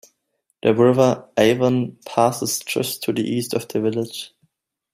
The River Avon passes just to the east of the village.